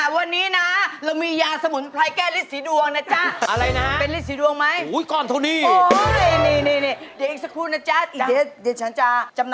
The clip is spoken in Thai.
วันนี้นะเรามียาสมุนไพรแก้ฤทธสีดวงนะจ๊ะ